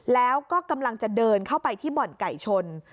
แล้วก็กำลังจะเดินเข้าไปที่บ่อนไก่ชน